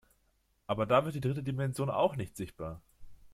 Aber da wird die dritte Dimension auch nicht sichtbar.